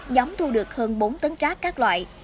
nhóm thu được hơn bốn tấn trác các loại